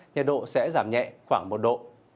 nhiệt độ sẽ giảm nhẹ khoảng một độ